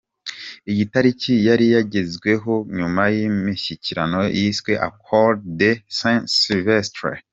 Iyi tariki yari yagezweho nyuma y’imishyikirano yiswe “Accord de Saint Sylvestre“.